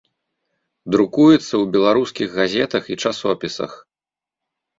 Друкуецца ў беларускіх газетах і часопісах.